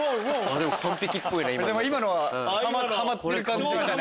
今のははまってる感じ。